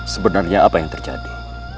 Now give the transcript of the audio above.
sebenarnya apa yang terjadi